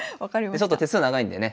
ちょっと手数長いんでね